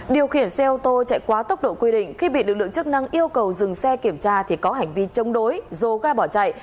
điều khiển xe ô tô chạy quá tốc độ quy định khi bị lực lượng chức năng yêu cầu dừng xe kiểm tra thì có hành vi chống đối dồ ga bỏ chạy